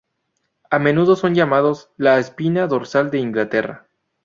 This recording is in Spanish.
A menudo son llamados "la espina dorsal de Inglaterra".